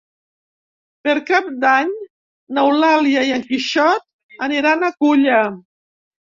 Per Cap d'Any n'Eulàlia i en Quixot aniran a Culla.